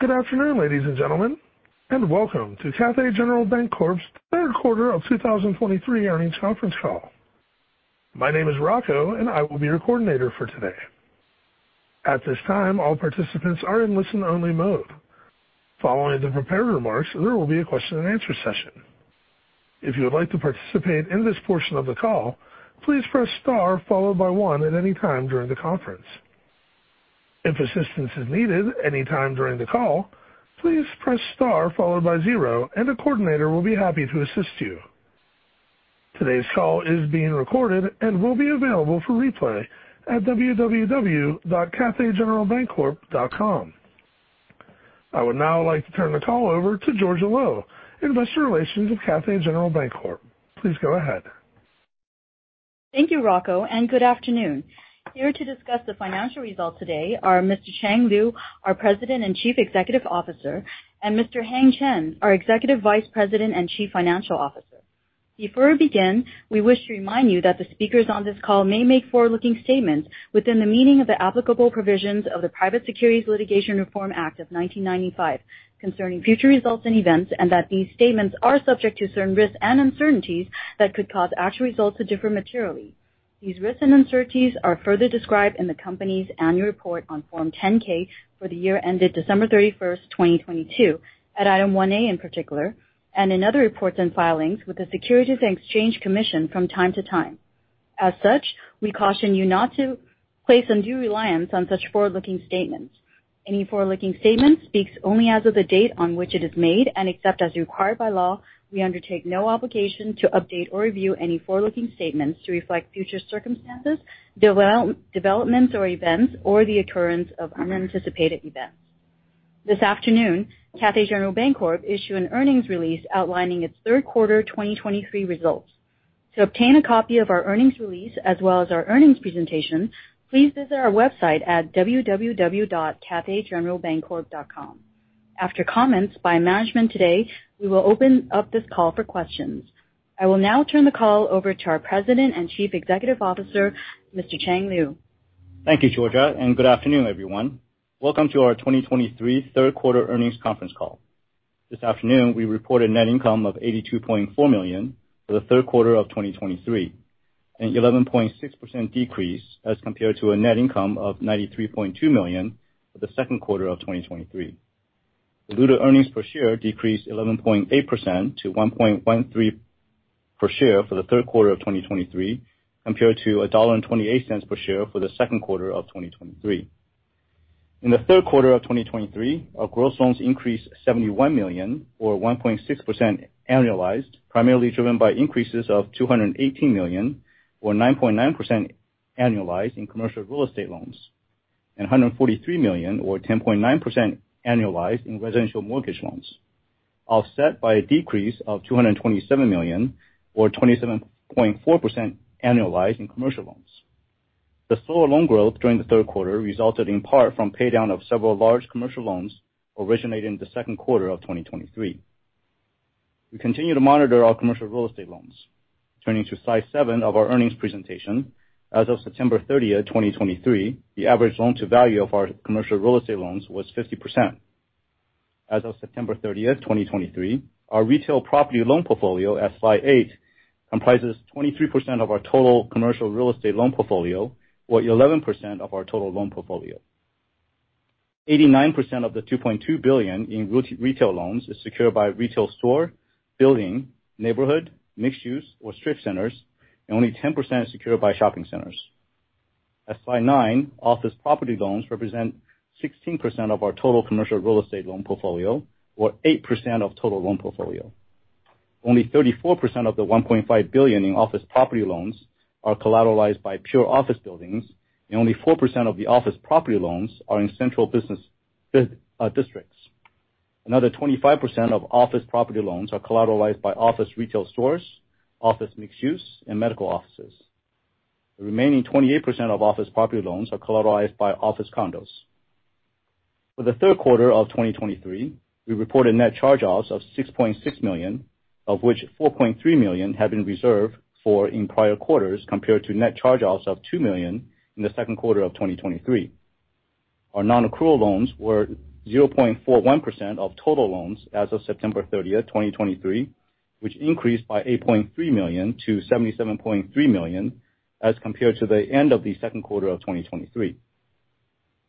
Good afternoon, ladies and gentlemen, and welcome to Cathay General Bancorp's third quarter of 2023 earnings conference call. My name is Rocco, and I will be your coordinator for today. At this time, all participants are in listen-only mode. Following the prepared remarks, there will be a question and answer session. If you would like to participate in this portion of the call, please press star followed by one at any time during the conference. If assistance is needed any time during the call, please press star followed by zero, and a coordinator will be happy to assist you. Today's call is being recorded and will be available for replay at www.cathaygeneralbancorp.com. I would now like to turn the call over to Georgia Lo, Investor Relations of Cathay General Bancorp. Please go ahead. Thank you, Rocco, and good afternoon. Here to discuss the financial results today are Mr. Chang Liu, our President and Chief Executive Officer, and Mr. Heng Chen, our Executive Vice President and Chief Financial Officer. Before we begin, we wish to remind you that the speakers on this call may make forward-looking statements within the meaning of the applicable provisions of the Private Securities Litigation Reform Act of 1995 concerning future results and events, and that these statements are subject to certain risks and uncertainties that could cause actual results to differ materially. These risks and uncertainties are further described in the company's annual report on Form 10-K for the year ended December 31st, 2022, at Item 1A in particular, and in other reports and filings with the Securities and Exchange Commission from time to time. As such, we caution you not to place undue reliance on such forward-looking statements. Any forward-looking statement speaks only as of the date on which it is made, and except as required by law, we undertake no obligation to update or review any forward-looking statements to reflect future circumstances, developments or events, or the occurrence of unanticipated events. This afternoon, Cathay General Bancorp issued an earnings release outlining its third quarter 2023 results. To obtain a copy of our earnings release as well as our earnings presentation, please visit our website at www.cathaygeneralbancorp.com. After comments by management today, we will open up this call for questions. I will now turn the call over to our President and Chief Executive Officer, Mr. Chang Liu. Thank you, Georgia, and good afternoon, everyone. Welcome to our 2023 third quarter earnings conference call. This afternoon, we reported net income of $82.4 million for the third quarter of 2023, an 11.6% decrease as compared to a net income of $93.2 million for the second quarter of 2023. Diluted earnings per share decreased 11.8% to $1.13 per share for the third quarter of 2023, compared to $1.28 per share for the second quarter of 2023. In the third quarter of 2023, our gross loans increased $71 million, or 1.6% annualized, primarily driven by increases of $218 million, or 9.9% annualized in commercial real estate loans and $143 million or 10.9% annualized in residential mortgage loans, offset by a decrease of $227 million or 27.4% annualized in commercial loans. The slower loan growth during the third quarter resulted in part from paydown of several large commercial loans originated in the second quarter of 2023. We continue to monitor our commercial real estate loans. Turning to slide 7 of our earnings presentation, as of September 30, 2023, the average loan to value of our commercial real estate loans was 50%. As of September 30, 2023, our retail property loan portfolio at slide eight comprises 23% of our total commercial real estate loan portfolio, or 11% of our total loan portfolio. 89% of the $2.2 billion in retail loans is secured by retail store, building, neighborhood, mixed use or strip centers, and only 10% is secured by shopping centers. At slide nine, office property loans represent 16% of our total commercial real estate loan portfolio, or 8% of total loan portfolio. Only 34% of the $1.5 billion in office property loans are collateralized by pure office buildings, and only 4% of the office property loans are in central business districts. Another 25% of office property loans are collateralized by office retail stores, office mixed use, and medical offices. The remaining 28% of office property loans are collateralized by office condos. For the third quarter of 2023, we reported net charge-offs of $6.6 million, of which $4.3 million had been reserved for in prior quarters, compared to net charge-offs of $2 million in the second quarter of 2023. Our non-accrual loans were 0.41% of total loans as of September 30, 2023, which increased by $8.3 million to $77.3 million as compared to the end of the second quarter of 2023.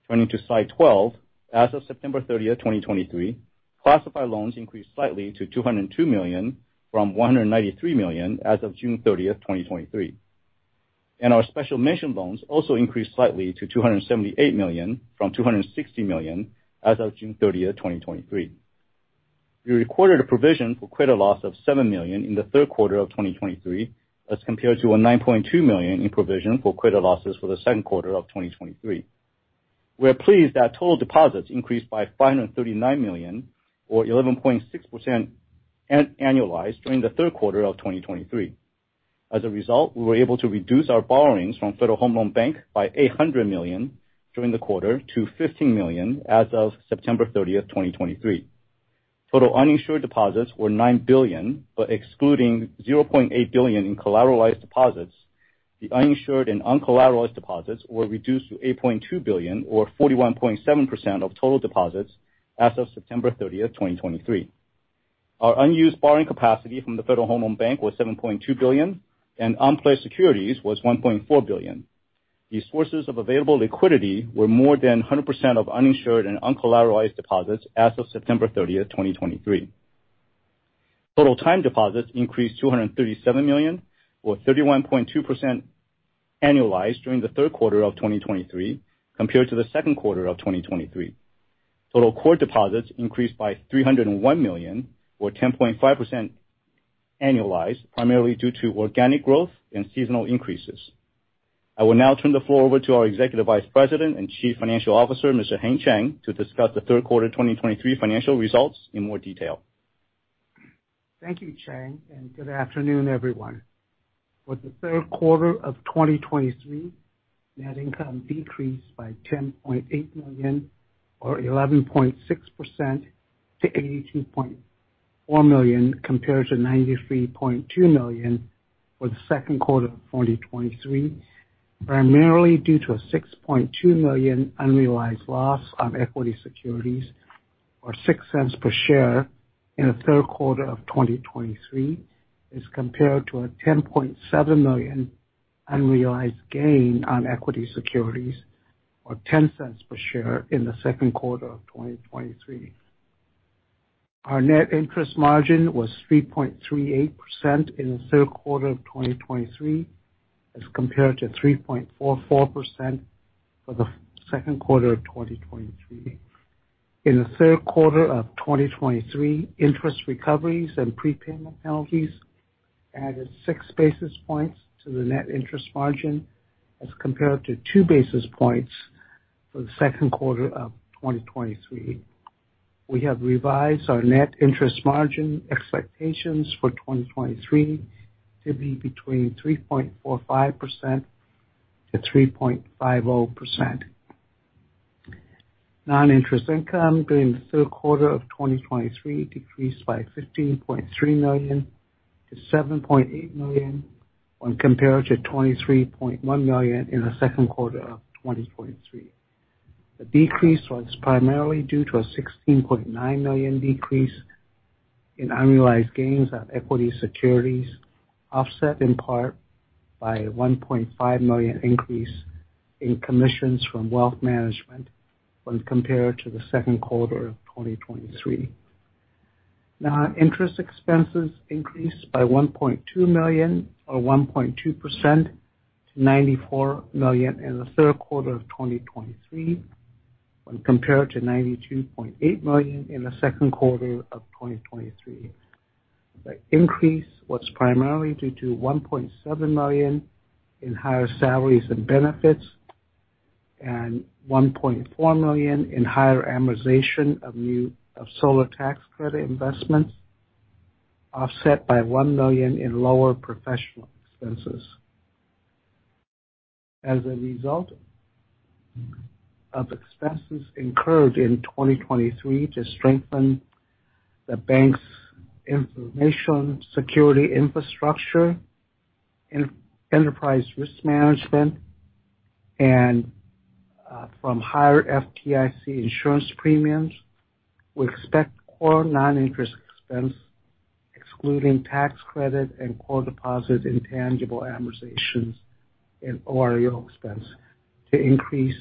Turning to slide 12, as of September 30, 2023, classified loans increased slightly to $202 million from $193 million as of June 30, 2023. Our special mention loans also increased slightly to $278 million from $260 million as of June 30, 2023. We recorded a provision for credit loss of $7 million in the third quarter of 2023, as compared to a $9.2 million in provision for credit losses for the second quarter of 2023. We are pleased that total deposits increased by $539 million, or 11.6% annualized during the third quarter of 2023. As a result, we were able to reduce our borrowings from Federal Home Loan Bank by $800 million during the quarter to $15 million as of September 30, 2023.... Total uninsured deposits were $9 billion, but excluding $0.8 billion in collateralized deposits, the uninsured and uncollateralized deposits were reduced to $8.2 billion or 41.7% of total deposits as of September 30, 2023. Our unused borrowing capacity from the Federal Home Loan Bank was $7.2 billion and unplaced securities was $1.4 billion. These sources of available liquidity were more than 100% of uninsured and uncollateralized deposits as of September 30, 2023. Total time deposits increased $237 million, or 31.2% annualized during the third quarter of 2023 compared to the second quarter of 2023. Total core deposits increased by $301 million, or 10.5% annualized, primarily due to organic growth and seasonal increases. I will now turn the floor over to our Executive Vice President and Chief Financial Officer, Mr. Heng Chen, to discuss the third quarter 2023 financial results in more detail. Thank you, Chang, and good afternoon, everyone. For the third quarter of 2023, net income decreased by $10.8 million, or 11.6% to $82.4 million, compared to $93.2 million for the second quarter of 2023, primarily due to a $6.2 million unrealized loss on equity securities, or $0.06 per share in the third quarter of 2023, as compared to a $10.7 million unrealized gain on equity securities or $0.10 per share in the second quarter of 2023. Our net interest margin was 3.38% in the third quarter of 2023, as compared to 3.44% for the second quarter of 2023. In the third quarter of 2023, interest recoveries and prepayment penalties added 6 basis points to the net interest margin, as compared to 2 basis points for the second quarter of 2023. We have revised our net interest margin expectations for 2023 to be between 3.45%-3.50%. Non-interest income during the third quarter of 2023 decreased by $15.3 million to $7.8 million, when compared to $23.1 million in the second quarter of 2023. The decrease was primarily due to a $16.9 million decrease in annualized gains on equity securities, offset in part by a $1.5 million increase in commissions from wealth management when compared to the second quarter of 2023. Non-interest expenses increased by $1.2 million, or 1.2% to $94 million in the third quarter of 2023, when compared to $92.8 million in the second quarter of 2023. The increase was primarily due to $1.7 million in higher salaries and benefits and $1.4 million in higher amortization of new Solar Tax Credit Investments, offset by $1 million in lower professional expenses. As a result of expenses incurred in 2023 to strengthen the bank's information security infrastructure, enterprise risk management and from higher FDIC insurance premiums, we expect core non-interest expense, excluding tax credit and core deposit intangible amortizations and OREO expense to increase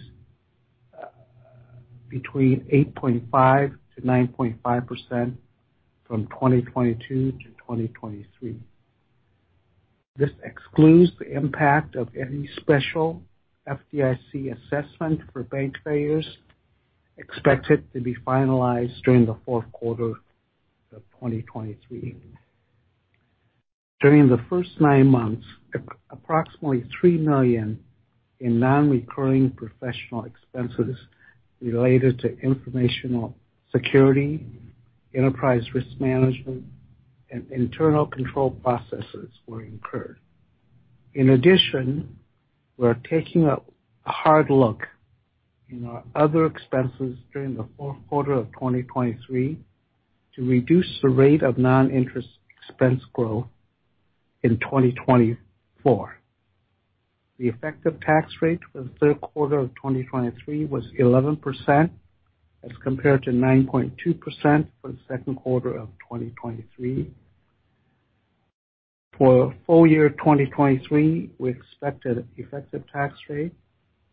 between 8.5%-9.5% from 2022 to 2023. This excludes the impact of any special FDIC assessment for bank failures expected to be finalized during the fourth quarter of 2023. During the first nine months, approximately $3 million in non-recurring professional expenses related to information security, enterprise risk management and internal control processes were incurred. In addition, we're taking a hard look in our other expenses during the fourth quarter of 2023 to reduce the rate of non-interest expense growth in 2024. The effective tax rate for the third quarter of 2023 was 11%, as compared to 9.2% for the second quarter of 2023. For full year 2023, we expect an effective tax rate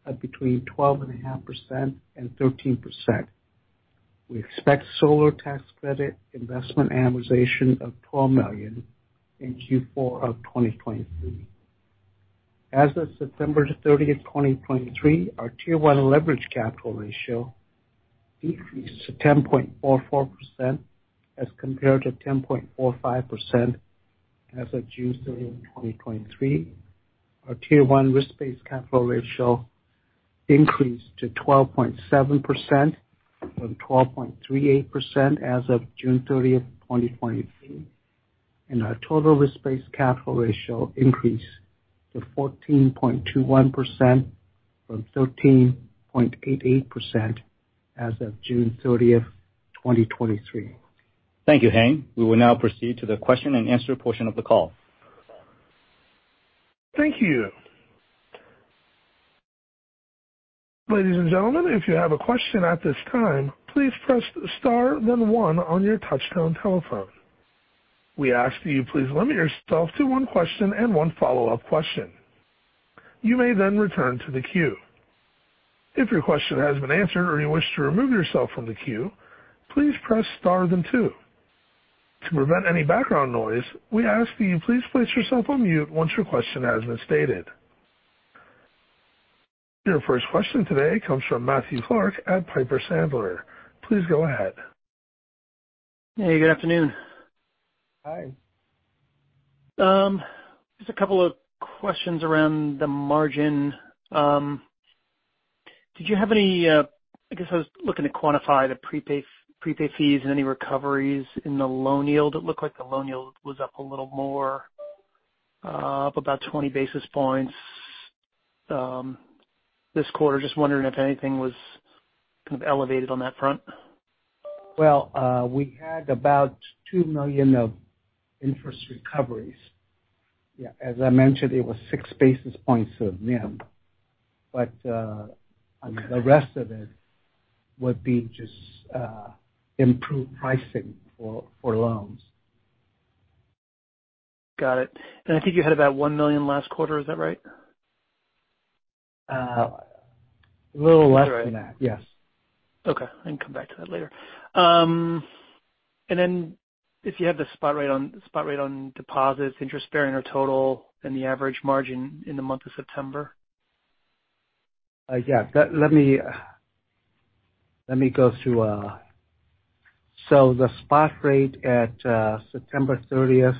of between 12.5% and 13%. We expect solar tax credit investment amortization of $12 million in Q4 of 2023. As of September 30, 2023, our Tier 1 leverage capital ratio decreased to 10.44%, as compared to 10.45% as of June 30, 2023. Our Tier 1 risk-based capital ratio increased to 12.7% from 12.38% as of June 30, 2023, and our total risk-based capital ratio increased to 14.21% from 13.88% as of June 30, 2023. Thank you, Heng. We will now proceed to the question and answer portion of the call. Thank you. Ladies and gentlemen, if you have a question at this time, please press star then one on your touchtone telephone. We ask that you please limit yourself to one question and one follow-up question. You may then return to the queue. If your question has been answered or you wish to remove yourself from the queue, please press star then two. To prevent any background noise, we ask that you please place yourself on mute once your question has been stated. Your first question today comes from Matthew Clark at Piper Sandler. Please go ahead. Hey, good afternoon. Hi. Just a couple of questions around the margin. Did you have any I guess I was looking to quantify the prepay, prepay fees and any recoveries in the loan yield. It looked like the loan yield was up a little more, up about 20 basis points, this quarter. Just wondering if anything was kind of elevated on that front? Well, we had about $2 million of interest recoveries. Yeah, as I mentioned, it was six basis points of NIM, but- Okay. - the rest of it would be just, improved pricing for loans. Got it. I think you had about $1 million last quarter. Is that right? A little less than that. Is that right? Yes. Okay, I can come back to that later. And then if you have the spot rate on, spot rate on deposits, interest bearing or total, and the average margin in the month of September? Yeah. Let me go through. So the spot rate at September thirtieth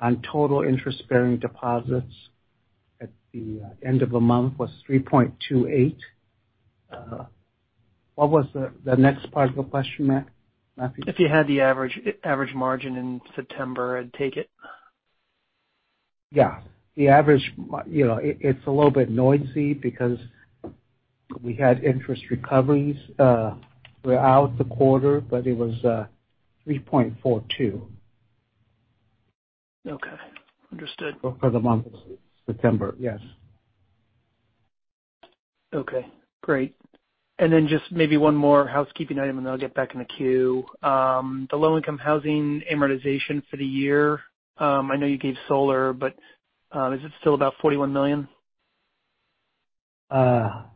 on total interest-bearing deposits at the end of the month was 3.28. What was the next part of the question, Matt, Matthew? If you had the average, average margin in September, I'd take it. Yeah. The average, you know, it's a little bit noisy because we had interest recoveries throughout the quarter, but it was 3.42. Okay. Understood. For the month of September. Yes. Okay, great. And then just maybe one more housekeeping item, and I'll get back in the queue. The low-income housing amortization for the year, I know you gave solar, but, is it still about $41 million? Let's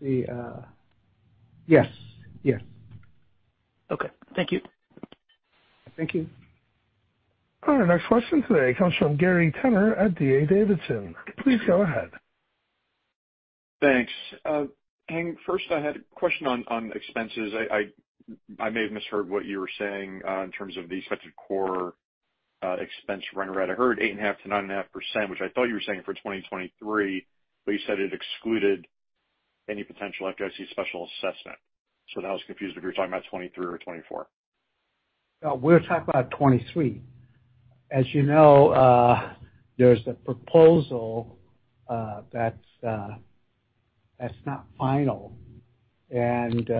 see, yes. Yes. Okay. Thank you. Thank you. Our next question today comes from Gary Tenner at D.A. Davidson. Please go ahead. Thanks. Heng, first I had a question on expenses. I may have misheard what you were saying in terms of the expected core expense run rate. I heard 8.5%-9.5%, which I thought you were saying for 2023, but you said it excluded any potential FDIC special assessment. So now I was confused if you were talking about 2023 or 2024. We're talking about 2023. As you know, there's a proposal that's not final, and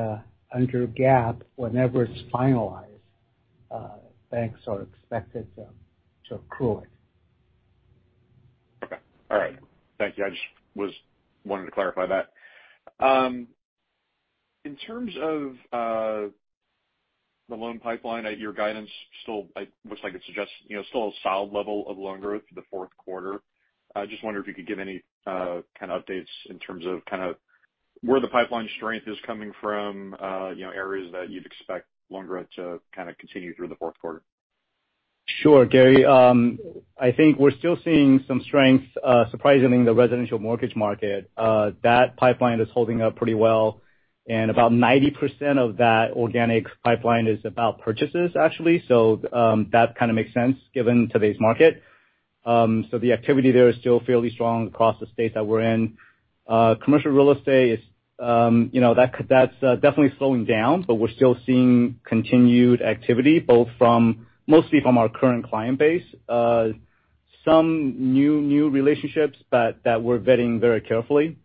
under GAAP, whenever it's finalized, banks are expected to accrue it. Okay. All right. Thank you. I just was wanting to clarify that. In terms of the loan pipeline, at your guidance, still, it looks like it suggests, you know, still a solid level of loan growth through the fourth quarter. I just wonder if you could give any kind of updates in terms of kind of where the pipeline strength is coming from, you know, areas that you'd expect loan growth to kind of continue through the fourth quarter. Sure, Gary. I think we're still seeing some strength, surprisingly, in the residential mortgage market. That pipeline is holding up pretty well, and about 90% of that organic pipeline is about purchases, actually. So, that kind of makes sense given today's market. So the activity there is still fairly strong across the states that we're in. Commercial real estate is, you know, definitely slowing down, but we're still seeing continued activity, both from mostly from our current client base. Some new relationships, but that we're vetting very carefully.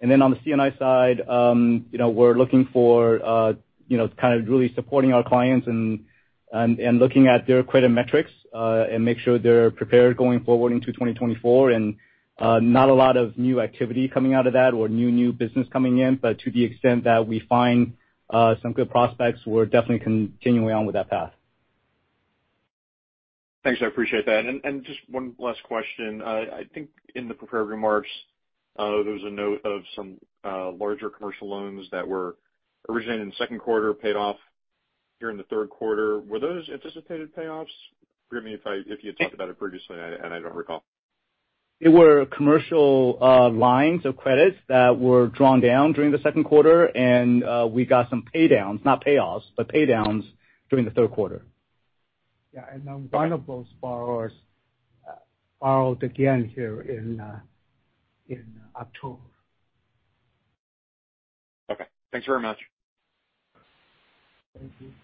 And then on the C&I side, you know, we're looking for, you know, kind of really supporting our clients and looking at their credit metrics, and make sure they're prepared going forward into 2024. Not a lot of new activity coming out of that or new business coming in, but to the extent that we find some good prospects, we're definitely continuing on with that path. Thanks. I appreciate that. And just one last question. I think in the prepared remarks, there was a note of some larger commercial loans that were originated in the second quarter, paid off during the third quarter. Were those anticipated payoffs? Forgive me if you had talked about it previously, and I don't recall. They were commercial lines of credit that were drawn down during the second quarter, and we got some pay downs, not payoffs, but pay downs during the third quarter. Yeah, and one of those borrowers borrowed again here in October. Okay. Thanks very much.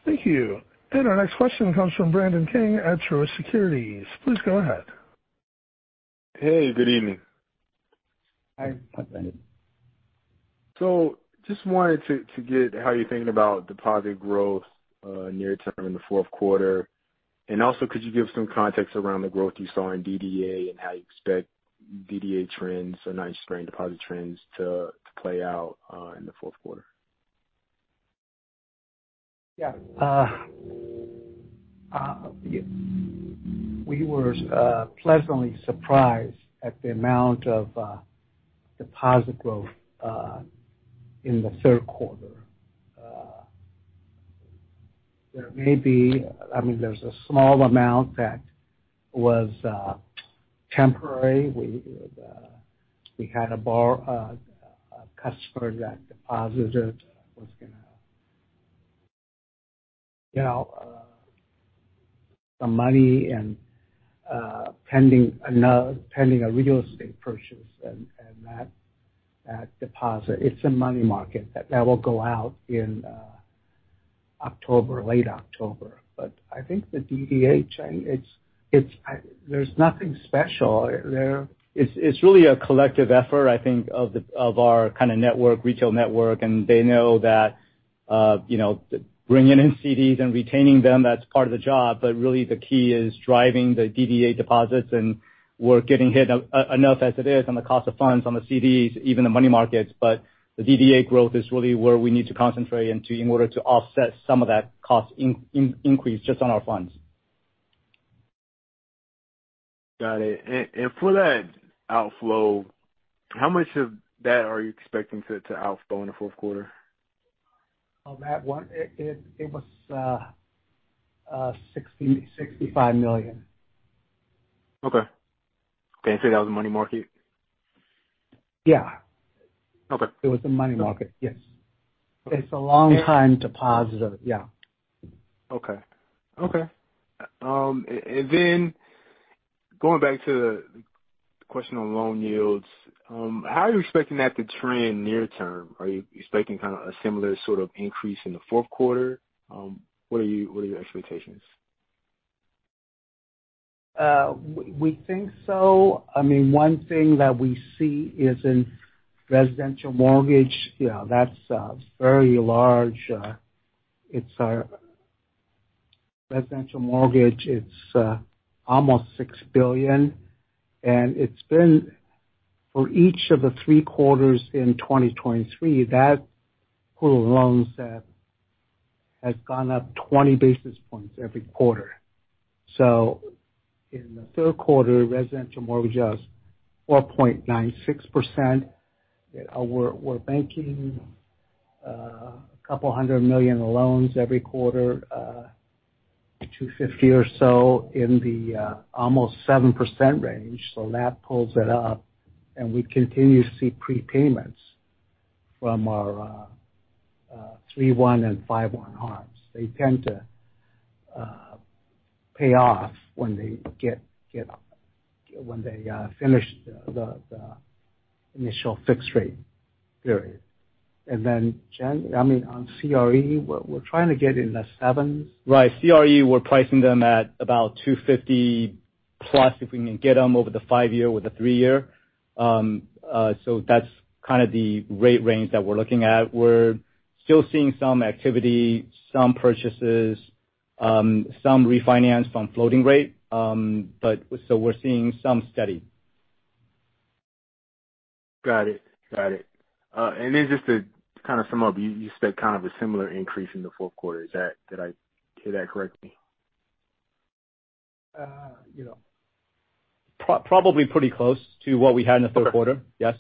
Thank you. And our next question comes from Brandon King at Truist Securities. Please go ahead. Hey, good evening. Hi. So just wanted to get how you're thinking about deposit growth, near term in the fourth quarter? And also, could you give some context around the growth you saw in DDA and how you expect DDA trends or non-stream deposit trends to play out, in the fourth quarter? Yeah. We were pleasantly surprised at the amount of deposit growth in the third quarter. There may be- I mean, there's a small amount that was temporary. We had a customer that deposited, was gonna, you know, some money and pending another, pending a real estate purchase and that deposit. It's a money market that will go out in October, late October. But I think the DDA trend. It's- there's nothing special there. It's really a collective effort, I think, of our kind of network, retail network. And they know that, you know, bringing in CDs and retaining them, that's part of the job. But really the key is driving the DDA deposits, and we're getting hit enough as it is on the cost of funds on the CDs, even the money markets. But the DDA growth is really where we need to concentrate into in order to offset some of that cost increase just on our funds. Got it. And for that outflow, how much of that are you expecting to outflow in the fourth quarter? On that one? It was $65 million. Okay. You say that was the money market? Yeah. Okay. It was the money market, yes. It's a long-term deposit. Yeah. Okay. Okay. And then going back to the question on loan yields, how are you expecting that to trend near term? Are you expecting kind of a similar sort of increase in the fourth quarter? What are your expectations? We think so. I mean, one thing that we see is in residential mortgage, yeah, that's very large. It's our residential mortgage, it's almost $6 billion, and it's been for each of the three quarters in 2023, that pool of loans set has gone up 20 basis points every quarter. So in the third quarter, residential mortgage is 4.96%. We're banking a couple hundred million in loans every quarter, $250 or so in the almost 7% range. So that pulls it up, and we continue to see prepayments from our three-one and five-one arms. They tend to pay off when they get, when they finish the initial fixed rate period. And then I mean, on CRE, we're trying to get in the sevens. Right. CRE, we're pricing them at about 2.50+, if we can get them over the 5-year with the 3-year. So that's kind of the rate range that we're looking at. We're still seeing some activity, some purchases, some refinance from floating rate, but so we're seeing some steady. Got it. Got it. And then just to kind of sum up, you, you expect kind of a similar increase in the fourth quarter. Is that, did I hear that correctly? You know. Probably pretty close to what we had in the third quarter. Okay. Yes.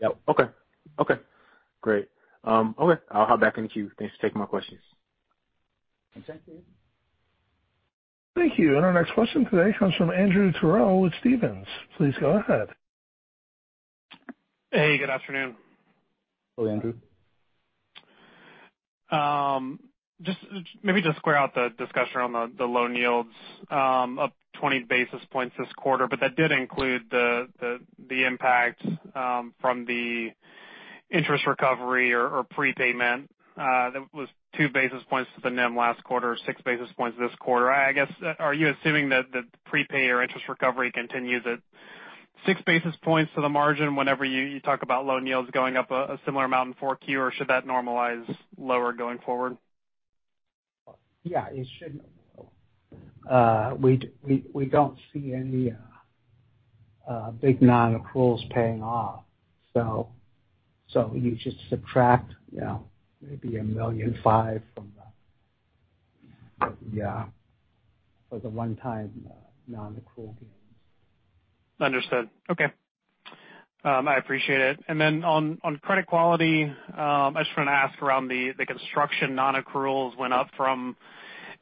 Yep. Okay. Okay, great. Okay. I'll hop back in the queue. Thanks for taking my questions. Thank you. Thank you. Our next question today comes from Andrew Terrell with Stephens. Please go ahead. Hey, good afternoon. Hello, Andrew. Just, maybe just square out the discussion on the loan yields, up 20 basis points this quarter, but that did include the impact from the interest recovery or prepayment. That was 2 basis points to the NIM last quarter, 6 basis points this quarter. I guess, are you assuming that the prepay or interest recovery continues at 6 basis points to the margin whenever you talk about loan yields going up a similar amount in 4Q, or should that normalize lower going forward? Yeah, it should. We don't see any big non-accruals paying off. So you just subtract, you know, maybe $1.5 million from that. Yeah, for the one-time non-accrual gains. Understood. Okay. I appreciate it. And then on, on credit quality, I just want to ask around the, the construction non-accruals went up from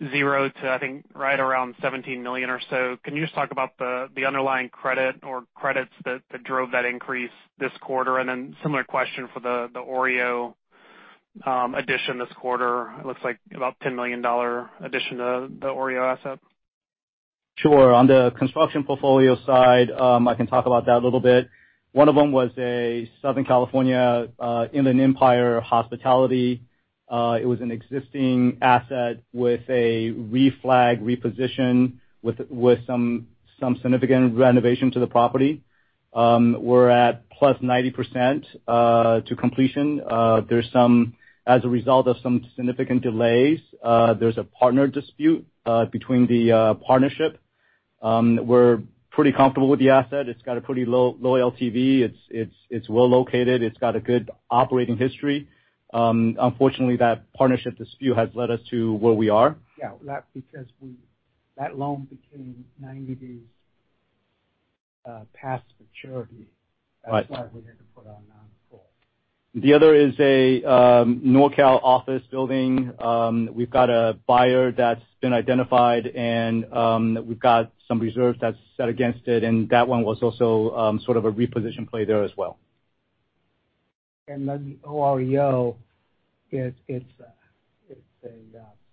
0 to, I think, right around $17 million or so. Can you just talk about the, the underlying credit or credits that, that drove that increase this quarter? And then similar question for the, the OREO addition this quarter. It looks like about $10 million addition to the OREO asset. Sure. On the construction portfolio side, I can talk about that a little bit. One of them was a Southern California, Inland Empire hospitality. It was an existing asset with a reflag, reposition, with some significant renovation to the property. We're at plus 90% to completion. There's some. As a result of some significant delays, there's a partner dispute between the partnership. We're pretty comfortable with the asset. It's got a pretty low LTV. It's well located. It's got a good operating history. Unfortunately, that partnership dispute has led us to where we are. Yeah, that's because that loan became 90 days past maturity. Right. That's why we had to put on non-accrual. The other is a NorCal office building. We've got a buyer that's been identified, and we've got some reserve that's set against it, and that one was also sort of a reposition play there as well. And then the OREO is a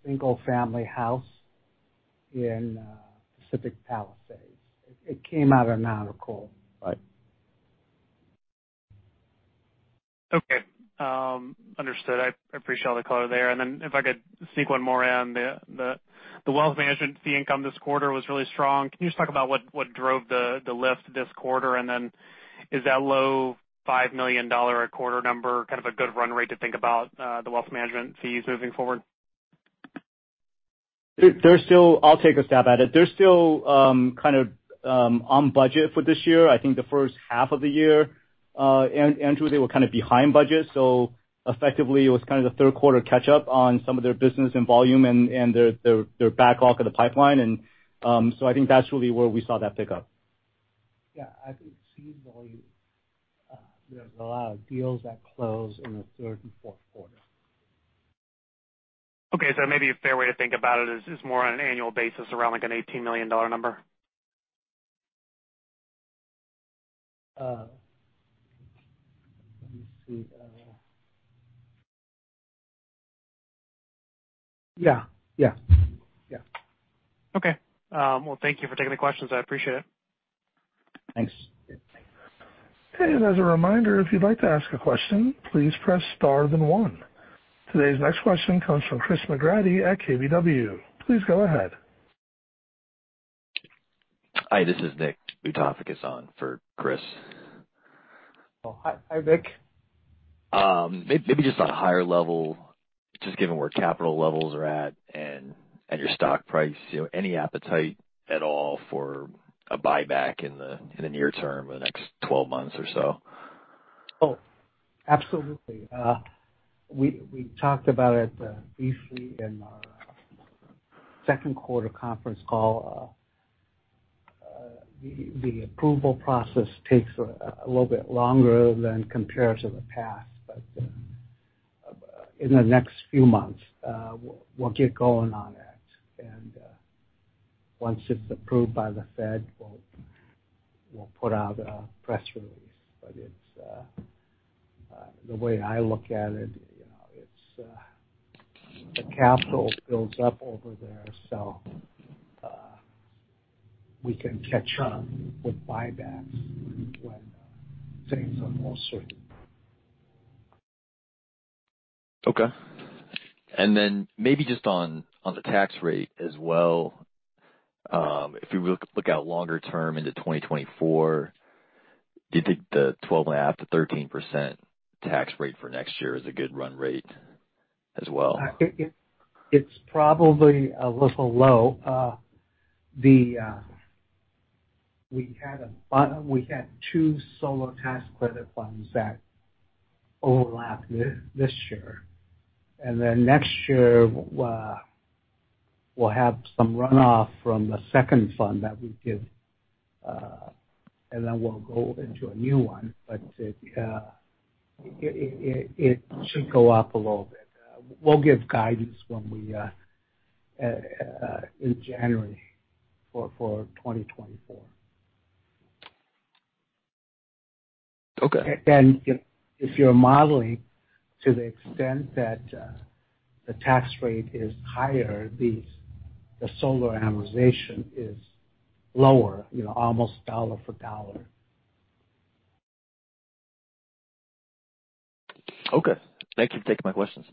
single-family house in Pacific Palisades. It came out of non-accrual. Right. Okay. Understood. I appreciate all the color there. And then if I could sneak one more in. The wealth management fee income this quarter was really strong. Can you just talk about what drove the lift this quarter? And then is that low $5 million a quarter number kind of a good run rate to think about the wealth management fees moving forward? There's still I'll take a stab at it. There's still kind of on budget for this year. I think the first half of the year, and they were kind of behind budget, so effectively it was kind of the third quarter catch up on some of their business and volume and their backlog of the pipeline. And so I think that's really where we saw that pickup. Yeah, I think fee volume. There's a lot of deals that close in the third and fourth quarter. Okay. So maybe a fair way to think about it is more on an annual basis around, like, an $18 million number? Let me see. Yeah. Yeah. Yeah. Okay. Well, thank you for taking the questions. I appreciate it. Thanks. And as a reminder, if you'd like to ask a question, please press star then one. Today's next question comes from Chris McGratty at KBW. Please go ahead. Hi, this is Nick Bottecher on for Chris. Oh, hi. Hi, Nick. Maybe just on a higher level, just given where capital levels are at and your stock price, you know, any appetite at all for a buyback in the near term, the next 12 months or so? Oh, absolutely. We talked about it briefly in our second quarter conference call. The approval process takes a little bit longer than compared to the past, but in the next few months, we'll get going on it. Once it's approved by the Fed, we'll put out a press release. But it's the way I look at it, you know, it's the capital builds up over there, so we can catch up with buybacks when things are more certain. Okay. And then maybe just on the tax rate as well. If you look out longer term into 2024, do you think the 12.5%-13% tax rate for next year is a good run rate as well? It's probably a little low. We had 2 solar tax credit funds that overlapped this year. And then next year, we'll have some runoff from the second fund that we give, and then we'll go into a new one. But it should go up a little bit. We'll give guidance when we in January for 2024. Okay. If you're modeling to the extent that the tax rate is higher, the solar amortization is lower, you know, almost dollar for dollar. Okay. Thank you for taking my questions.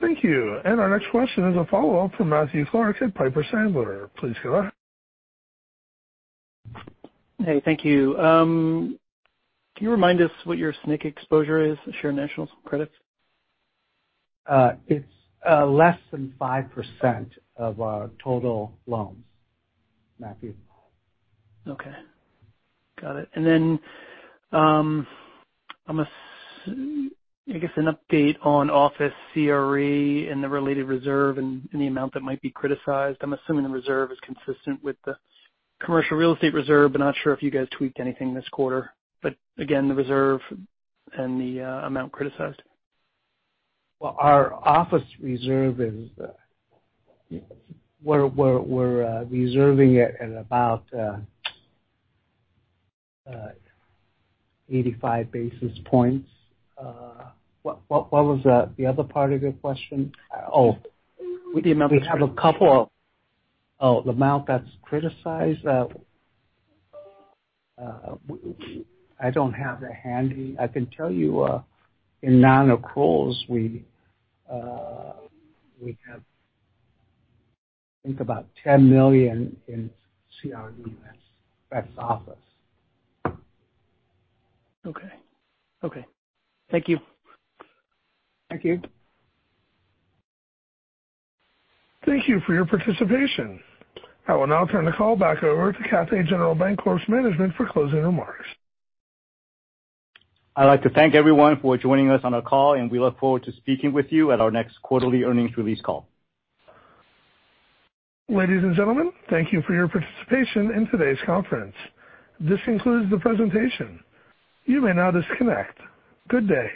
Thank you. Our next question is a follow-up from Matthew Clark at Piper Sandler. Please go ahead. Hey, thank you. Can you remind us what your SNC exposure is, Shared National Credits? It's less than 5% of our total loans, Matthew. Okay, got it. And then, I'm asking, I guess, an update on office CRE and the related reserve and any amount that might be criticized. I'm assuming the reserve is consistent with the commercial real estate reserve, but not sure if you guys tweaked anything this quarter. But again, the reserve and the amount criticized. Well, our office reserve is. We're reserving it at about 85 basis points. What was the other part of your question? Oh, the amount that's criticized? I don't have that handy. I can tell you, in non-accruals, we have, I think, about $10 million in CRE, and that's office. Okay. Okay. Thank you. Thank you. Thank you for your participation. I will now turn the call back over to Cathay General Bancorp's management for closing remarks. I'd like to thank everyone for joining us on our call, and we look forward to speaking with you at our next quarterly earnings release call. Ladies and gentlemen, thank you for your participation in today's conference. This concludes the presentation. You may now disconnect. Good day.